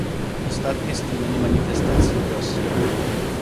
Ostatnie stłumienie manifestacji w Rosji